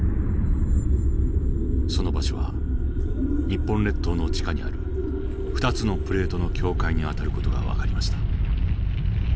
その場所は日本列島の地下にある２つのプレートの境界にあたる事が分かりました。